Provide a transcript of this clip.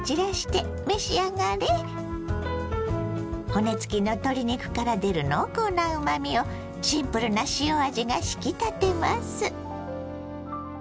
骨付きの鶏肉から出る濃厚なうまみをシンプルな塩味が引き立てます。